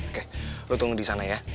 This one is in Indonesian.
oke lo tunggu disana ya